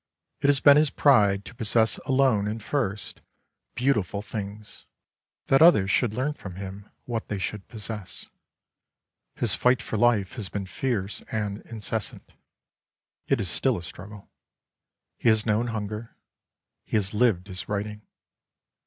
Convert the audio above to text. It has been his pride to possess alone and first, beauti ful things, — that others should learn from him what they should possess. His fight for life has been fierce and incessant. It is still a struggle. He has known hunger. He has lived his writing.